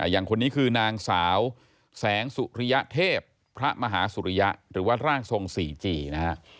อย่างคนนี้คือนางสาวแสงสุริยเทพพระมหาสุริยะหรือว่าร่างทรงสี่จีนะฮะ